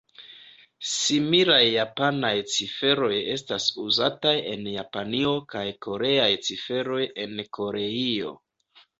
Similaj japanaj ciferoj estas uzataj en Japanio kaj koreaj ciferoj en Koreio.